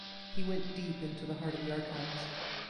He went deep into the heart of the archives.